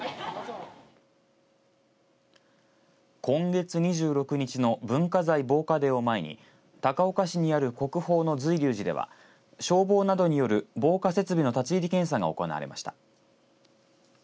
今月２６日の文化財防火デーを前に高岡市にある国宝の瑞龍寺では消防などによる防火設備の立入検査が行われました。